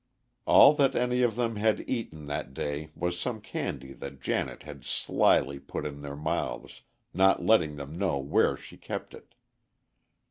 All that any of them had eaten that day was some candy that Janet had slyly put in their mouths, not letting them know where she kept it.